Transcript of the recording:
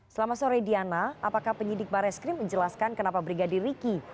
selamat sore diana apakah penyidik bareskrim menjelaskan kenapa brigadir riki